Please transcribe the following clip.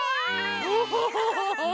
ウフフフフ。